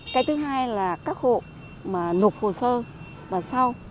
cái thứ hai là các hộ mà nộp hồ sơ và sau